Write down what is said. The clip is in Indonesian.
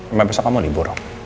emang besok kamu libur